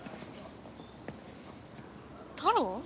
タロウ？